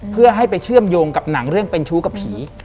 เพื่อให้ไปเชื่อมโยงกับหนังเรื่องเป็นชู้กับผี